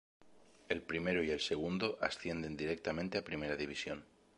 El primero y el segundo ascienden directamente a primera división.